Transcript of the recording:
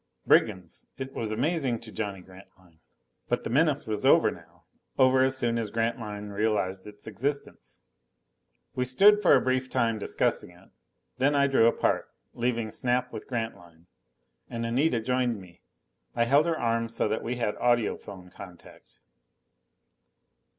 Brigands! It was amazing to Johnny Grantline. But the menace was over now, over as soon as Grantline realized its existence. We stood for a brief time discussing it. Then I drew apart, leaving Snap with Grantline. And Anita joined me. I held her arm so that we had audiphone contact.